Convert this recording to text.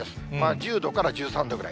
１０度から１３度ぐらい。